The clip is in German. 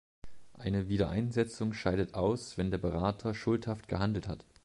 Eine Wiedereinsetzung scheidet aus, wenn der Berater schuldhaft gehandelt hat.